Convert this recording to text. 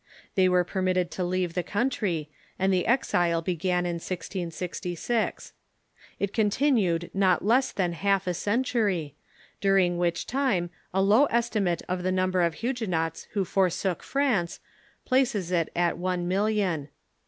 They were permitted to leave the country, and the exile began in 1666. It continued not less than half a century, during which time a low estimate of the number of Huguenots who forsook France places it at one million.